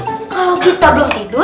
kalau kita belum tidur